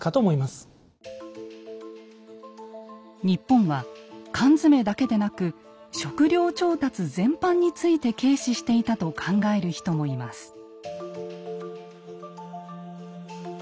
日本は缶詰だけでなく食糧調達全般について軽視していたと考える人もいます。